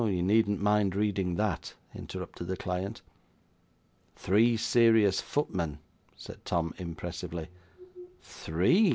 you needn't mind reading that,' interrupted the client. '"Three serious footmen,"' said Tom, impressively. 'Three?